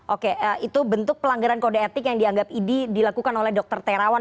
oke itu bentuk pelanggaran kode etik yang dianggap idi dilakukan oleh dr terawan